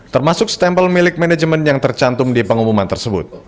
termasuk stempel milik manajemen yang tercantum di pengumuman tersebut